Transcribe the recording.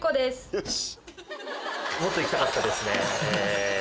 よし！